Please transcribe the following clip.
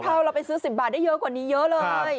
เราไปซื้อ๑๐บาทได้เยอะกว่านี้เยอะเลย